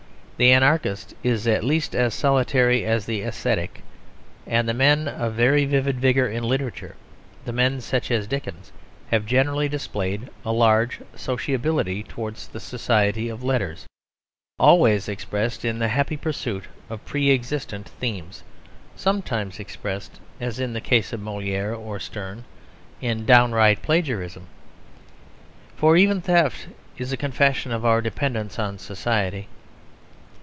The anarchist is at least as solitary as the ascetic. And the men of very vivid vigour in literature, the men such as Dickens, have generally displayed a large sociability towards the society of letters, always expressed in the happy pursuit of pre existent themes, sometimes expressed, as in the case of Molière or Sterne, in downright plagiarism. For even theft is a confession of our dependence on society.